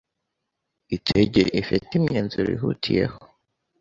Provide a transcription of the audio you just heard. itejye ifete imyenzuro ihutiyeho